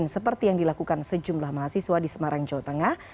seperti yang dilakukan sejumlah mahasiswa di semarang jawa tengah